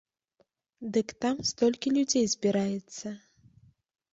Дык там столькі людзей збіраецца!